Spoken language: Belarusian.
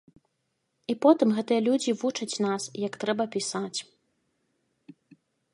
І потым гэтыя людзі вучаць нас, як трэба пісаць!